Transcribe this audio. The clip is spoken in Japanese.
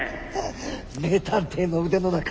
名探偵の腕の中